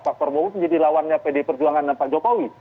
pak prabowo menjadi lawannya pd perjuangan dan pak jokowi